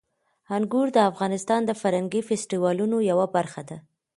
انګور د افغانستان د فرهنګي فستیوالونو یوه برخه ده.